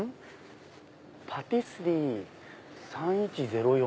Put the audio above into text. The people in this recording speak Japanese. パティスリー３１０４。